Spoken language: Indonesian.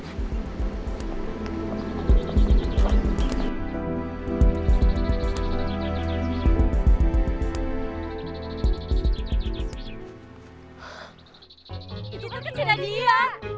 itu kan kecinta dia